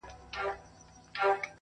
o خدای ئې کوي، خو شولي بې اوبو نه کېږي.